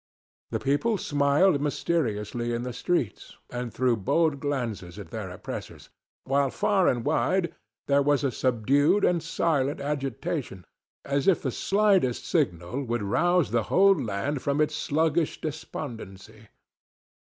The people smiled mysteriously in the streets and threw bold glances at their oppressors, while far and wide there was a subdued and silent agitation, as if the slightest signal would rouse the whole land from its sluggish despondency.